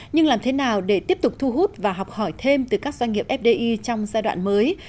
nhưng làm thế nào để tiếp tục thu hút và học hỏi thêm từ các doanh nghiệp fdi trong giai đoạn mới